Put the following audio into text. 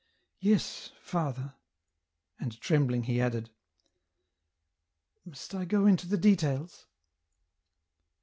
" Yes, father ;" and trembling, he added, " Must ^ go into the details